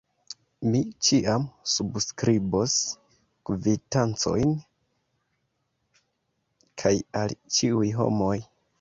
Mi ĉiam subskribos kvitancojn, kaj al ĉiuj homoj.